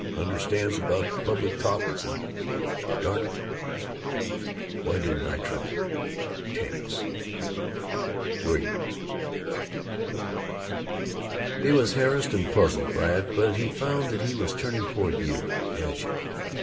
Understands about Public Topics and But, darn it, why didn't I try?... Tanis!" III He was harassed and puzzled by it, but he found that he was turning toward youth, as youth.